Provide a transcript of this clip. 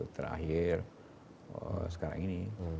terakhir sekarang ini